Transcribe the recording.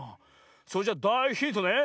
それじゃだいヒントね。